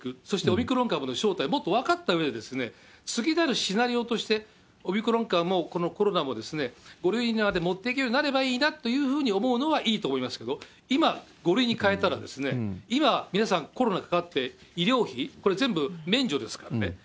そしてオミクロン株の正体がもっと分かったうえで、次なるシナリオとして、オミクロン株もこのコロナも５類になるまで持っていければいいなと思うのはいいと思いますけれども、今、５類に変えたら、今、皆さんコロナかかって医療費、これ全部免除ですからね。